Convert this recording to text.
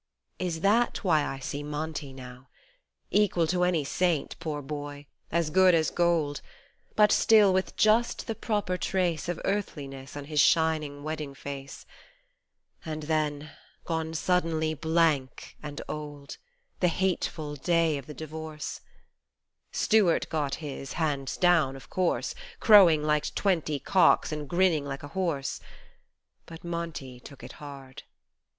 Is that why I see Monty now ? equal to any saint, poor boy, as good as gold, But still, with just the proper trace Of earthliness on his shining wedding face ; And then gone suddenly blank and old The hateful day of the divorce : Stuart got his, hands down, of course Crowing like twenty cocks and grinning like a horse : But Monty took it hard.